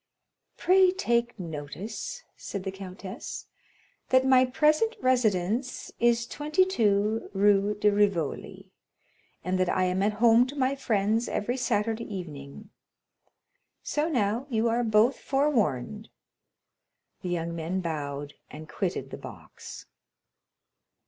"Pray take notice," said the countess, "that my present residence is 22 Rue de Rivoli, and that I am at home to my friends every Saturday evening. So now, you are both forewarned." The young men bowed, and quitted the box.